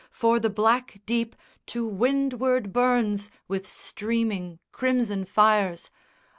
For the black deep To windward burns with streaming crimson fires!